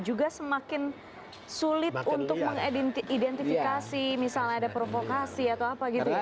juga semakin sulit untuk mengidentifikasi misalnya ada provokasi atau apa gitu